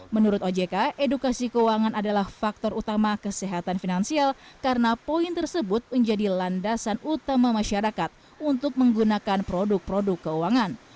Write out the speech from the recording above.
menurut ojk edukasi keuangan adalah faktor utama kesehatan finansial karena poin tersebut menjadi landasan utama masyarakat untuk menggunakan produk produk keuangan